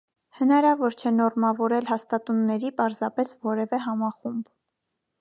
Հնարավոր չէ նորմավորել հաստատունների պարզապես որևէ համախումբ։